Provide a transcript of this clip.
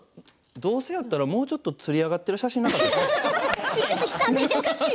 どうせやったらもうちょっとつり上がってる難しいな。